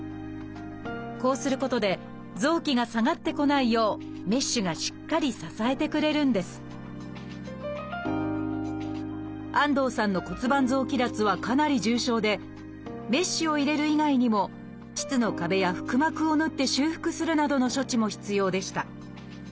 こうすることで臓器が下がってこないようメッシュがしっかり支えてくれるんです安藤さんの骨盤臓器脱はかなり重症でメッシュを入れる以外にも腟の壁や腹膜を縫って修復するなどの処置も必要でした。